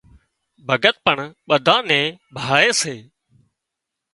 ڀڳت پڻ ٻڌانئين نين ڀاۯي سي